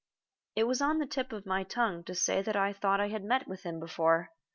It was on the tip of my tongue to say that I thought I had met with him before.